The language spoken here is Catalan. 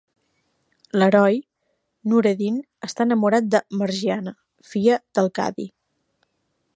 L'heroi, Nureddin, està enamorat de Margiana, filla del Cadi.